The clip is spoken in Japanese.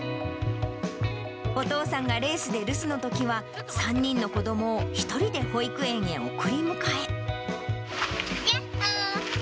お父さんがレースで留守のときは、３人の子どもを１人で保育園へ送り迎え。